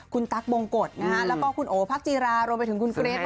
คุณตั๊กบงกฎแล้วก็คุณโอพักจีรารวมไปถึงคุณเกรท